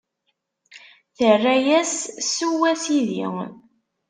Terra-yas: Sew, a Sidi.